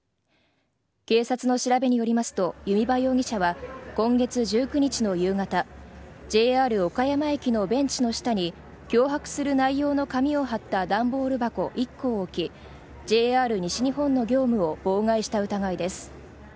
警察の調べによりますと弓場容疑者は今月１９日の夕方ＪＲ岡山駅のベンチの下に脅迫する内容の紙を貼った段ボール箱１個を置きＪＲ西日本の業務を妨害した疑いです。